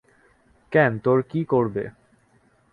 কেন, তোর কী করবে?